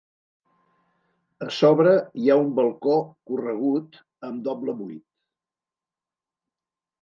A sobre hi ha un balcó corregut amb doble buit.